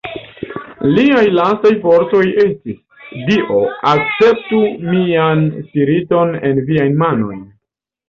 Liaj lastaj vortoj estis: "Dio, akceptu mian spiriton en Viajn manojn!".